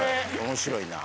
面白いな。